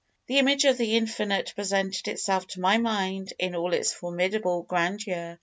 "The image of the Infinite presented itself to my mind in all its formidable grandeur.